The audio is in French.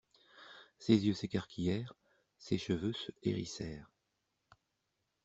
Ses yeux s'écarquillèrent, ses cheveux se hérissèrent.